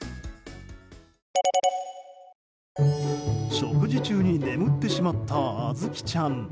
食事中に眠ってしまったあずきちゃん。